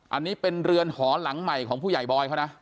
อันนี้เป็นเรือนหอหลังใหม่ของผู้ใหญ่บอยเขานะ